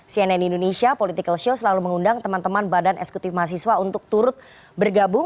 cnn indonesia political show selalu mengundang teman teman badan eksekutif mahasiswa untuk turut bergabung